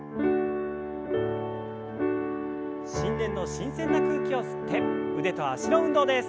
新年の新鮮な空気を吸って腕と脚の運動です。